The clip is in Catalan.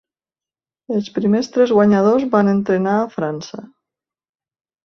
Els primers tres guanyadors van entrenar a França.